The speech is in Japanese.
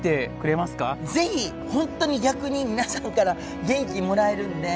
本当に逆に皆さんから元気もらえるんで。